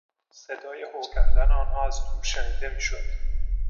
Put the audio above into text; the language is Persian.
صدای هو کردن آنها از دور شنیده میشد.